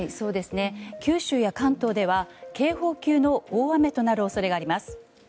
九州は関東では警報級の大雨となる恐れがあります。